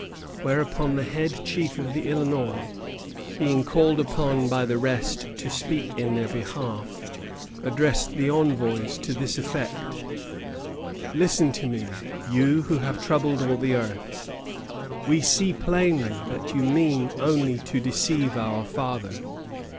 Whereupon the head chief of the Illinois, being called upon by the rest to speak in their behalf, addressed the envoys to this effect: "Listen to me, you who have troubled all the earth. We see plainly that you mean only to deceive our father.